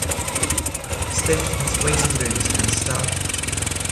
The station has waiting rooms and staffed ticket office.